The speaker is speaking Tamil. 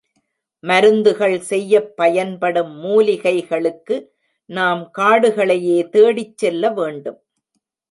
மருந்துகள் செய்யப் பயன்படும் மூலிகைகளுக்கு நாம் காடுகளையே தேடிச் செல்ல வேண்டும்.